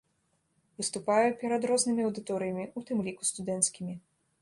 Выступаю перад рознымі аўдыторыямі, у тым ліку студэнцкімі.